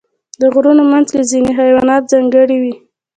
د غرونو منځ کې ځینې حیوانات ځانګړي وي.